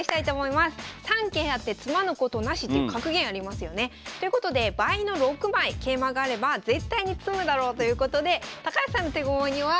「３桂あって詰まぬことなし」っていう格言ありますよね。ということで倍の６枚桂馬があれば絶対に詰むだろうということで高橋さんの手駒には普通の将棋プラス。